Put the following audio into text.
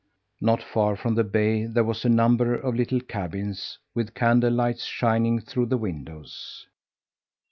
Not far from the bay there were a number of little cabins, with candle lights shining through the windows.